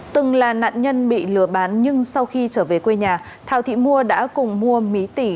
từng là nạn nhân bị lừa bán nhưng sau khi trở về quê nhà thảo thị mua đã cùng mua mí tỷ